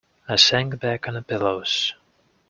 I sank back on the pillows.